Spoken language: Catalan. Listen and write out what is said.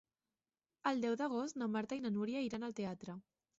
El deu d'agost na Marta i na Nura iran al teatre.